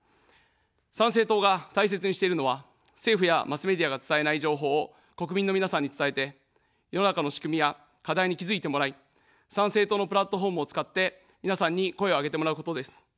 参政党が大切にしているのは、政府やマスメディアが伝えない情報を国民の皆さんに伝えて、世の中の仕組みや課題に気づいてもらい、参政党のプラットフォームを使って皆さんに声を上げてもらうことです。